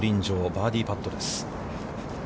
バーディーパットです。